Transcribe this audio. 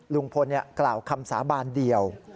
ลุงพลกล่าวคำสาบานเดียว